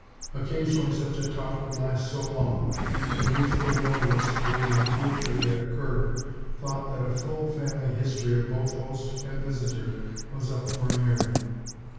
Occasionally such a talk would last so long that a youthful motorist, waiting dutifully at a curb, thought that a full family history of both host and visitor was up for an airing.